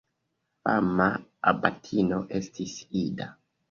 Fama abatino estis Ida.